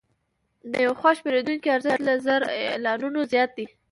د یو خوښ پیرودونکي ارزښت له زر اعلانونو زیات دی.